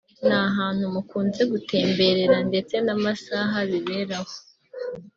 ni ahantu mukunze gutemberera ndetse n’amasaha biberaho